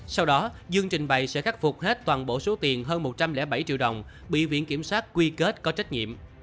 sau đó dương trình bày sẽ khắc phục hết toàn bộ số tiền hơn một trăm linh bảy triệu đồng bị viện kiểm sát quy kết có trách nhiệm